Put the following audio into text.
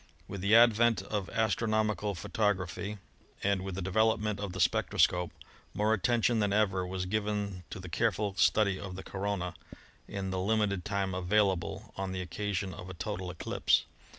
With the advent of astronomical photography, and with the development of the spectroscope, more attention than ever was given to the careful study of the corona SOLAR ENERGY in in the limited time available on the occasion of a total eclipse.